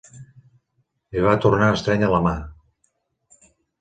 Li va tornar a estrènyer la ma.